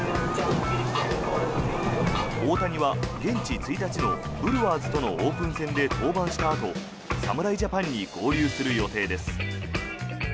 大谷は現地１日のブルワーズとのオープン戦で登板したあと侍ジャパンに合流する予定です。